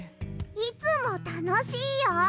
いつもたのしいよ！